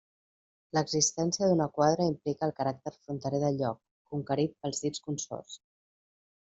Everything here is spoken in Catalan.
L'existència d'una quadra implica el caràcter fronterer del lloc, conquerit pels dits consorts.